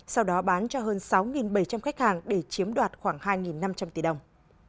sau đó bán cho hơn sáu bảy trăm linh khách hàng để chiếm đoạt khoảng hai năm trăm linh tỷ đồng